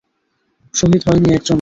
শহীদ হয়নি একজনও।